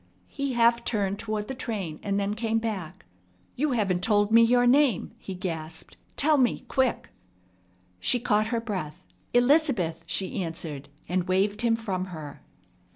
He half turned toward the train, and then came back. "You haven't told me your name!" he gasped. "Tell me quick!" She caught her breath. "Elizabeth!" she answered, and waved him from her.